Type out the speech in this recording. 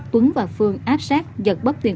tuấn và phương áp sát giật bắp tiền